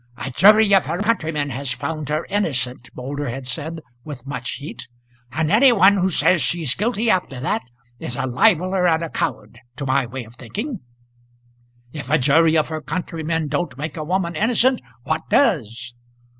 "A jury of her countrymen has found her innocent," Moulder had said with much heat; "and any one who says she's guilty after that is a libeller and a coward, to my way of thinking. If a jury of her countrymen don't make a woman innocent, what does?"